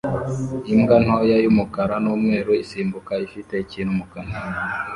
Imbwa ntoya y'umukara n'umweru isimbuka ifite ikintu mu kanwa